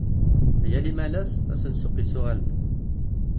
Yal imalas, ass n ssuq yettuɣal-d.